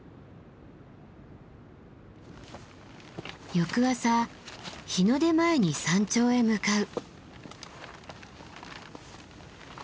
翌朝日の出前に山頂へ向かう。